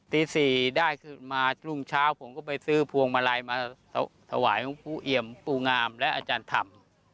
ตี๔ได้ขึ้นมารุ่งเช้าผมก็ไปซื้อพวงมาลัยมาถวายของปู่เอี่ยมปูงามและอาจารย์ธรรม